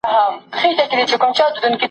- دهزاد فرخاری، شاعر.